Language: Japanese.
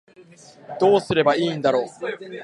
どうすればいいんだろう